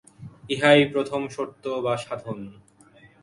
ইহাই প্রথম শর্ত বা সাধন।